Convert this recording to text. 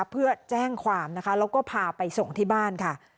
เพื่อแจ้งความนะคะแล้วก็พาไปส่งที่บ้านค่ะ